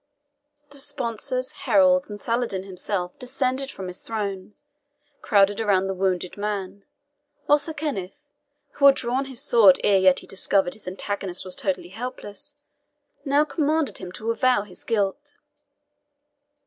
The sponsors, heralds, and Saladin himself, descending from his throne, crowded around the wounded man; while Sir Kenneth, who had drawn his sword ere yet he discovered his antagonist was totally helpless, now commanded him to avow his guilt.